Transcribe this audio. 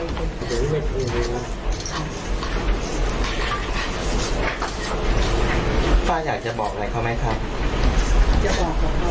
เพราะเพราะว่าไม่ได้อีกเราแล้วเราก็